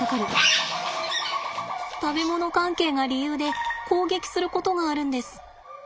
食べ物関係が理由で攻撃することがあるんです。